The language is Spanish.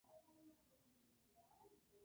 tú no has bebido